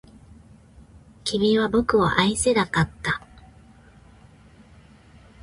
君は僕を愛せなかった